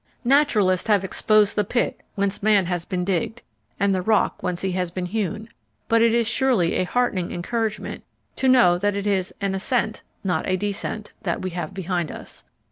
Naturalists have exposed the pit whence man has been digged and the rock whence he has been hewn, but it is surely a heartening encouragement to know that it is an ascent, not a descent, that we have behind us.